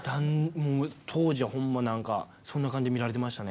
当時は、ほんま、なんかそんな感じで見られてましたね。